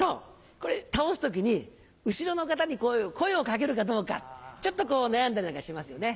これ倒す時に後ろの方に声を掛けるかどうかちょっと悩んだりなんかしますよね。